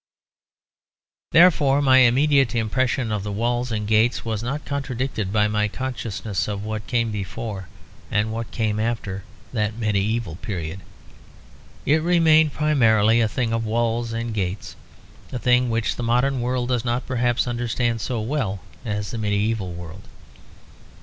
Therefore my immediate impression of the walls and gates was not contradicted by my consciousness of what came before and what came after that medieval period. It remained primarily a thing of walls and gates; a thing which the modern world does not perhaps understand so well as the medieval world.